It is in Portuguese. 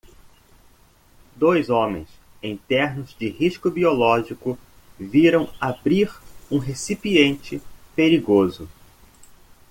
Dois homens em ternos de risco biológico viram abrir um recipiente perigoso.